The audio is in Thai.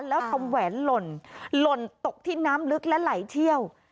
แล้วทำแหวนหล่นหล่นตกที่น้ำลึกและไหลเที่ยว